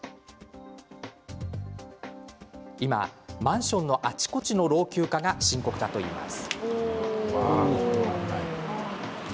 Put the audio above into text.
今、マンションのあちこちの老朽化が深刻だといいます。